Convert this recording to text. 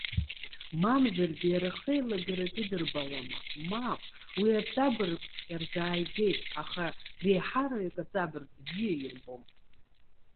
Мамзаргьы, иара хеилагарак идырбалама? Мап! Уи аҵабыргҵәҟьа рзааигеит, аха реиҳараҩык аҵабырг бзиа ирбом.